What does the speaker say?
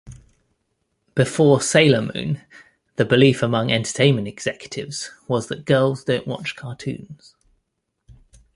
Before "Sailor Moon", the belief among entertainment executives was that "girls don't watch cartoons.